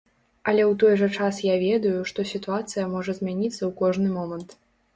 Але ў той жа час я ведаю, што сітуацыя можа змяніцца ў кожны момант.